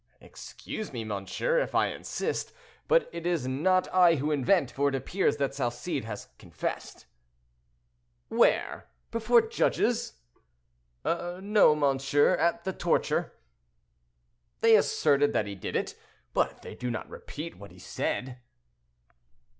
"Excuse me, monsieur, if I insist, but it is not I who invent, for it appears that Salcede has confessed." "Where? before the judges?" "No, monsieur; at the torture." "They asserted that he did, but they do not repeat what he said."